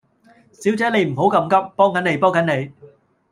小姐你唔好咁急，幫緊你，幫緊你